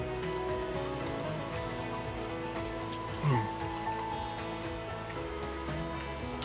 うん！